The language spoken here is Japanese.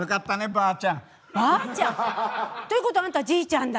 ばあちゃん！？ということはあんたじいちゃんだ！